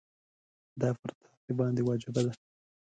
دا پر تاسي باندي واجبه ده.